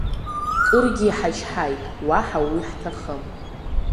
Кыргьы иҳачҳаит, уаҳа уи ҳҭахым!